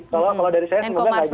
kalau dari saya semoga nggak bisa